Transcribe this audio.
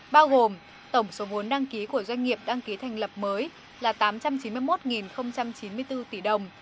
bao gồm tổng số vốn đăng ký của doanh nghiệp đăng ký thành lập mới là tám trăm chín mươi một chín mươi bốn tỷ đồng